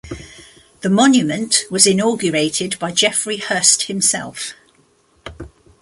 The monument was inaugurated by Geoffrey Hirst himself.